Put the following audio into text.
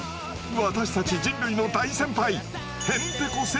私たち人類の大先輩へんてこ